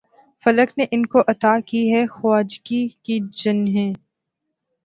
فلک نے ان کو عطا کی ہے خواجگی کہ جنھیں